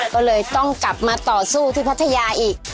ก็เลยต้องกลับมาต่อสู้ที่พัทยาอีก